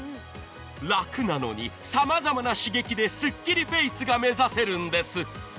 楽なのにさまざまな刺激でスッキリフェイスが目指せるんです。